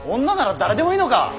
女なら誰でもいいのか！